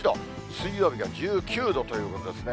水曜日が１９度ということですね。